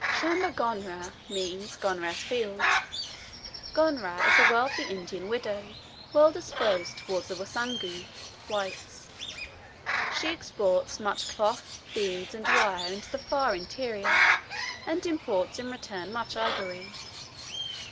Shamba Gonera means Gonera's Field. Gonera is a wealthy Indian widow, well disposed towards the Wasungu (whites). She exports much cloth, beads, and wire into the far interior, and imports in return much ivory.